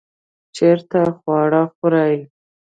چیرته خواړه خورئ؟